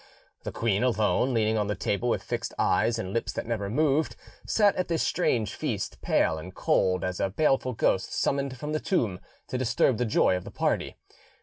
The queen alone, leaning on the table with fixed eyes and lips that never moved, sat at this strange feast pale and cold as a baleful ghost summoned from the tomb to disturb the joy of the party.